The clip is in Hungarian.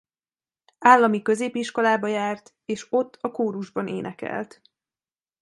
Állami középiskolába járt és ott a kórusban énekelt.